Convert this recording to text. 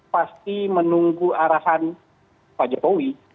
pasti menunggu arahan pak jokowi